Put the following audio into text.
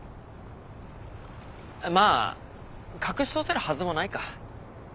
まあ隠し通せるはずもないか。